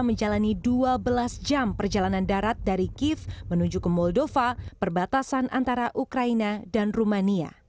menjalani dua belas jam perjalanan darat dari kiev menuju ke moldova perbatasan antara ukraina dan rumania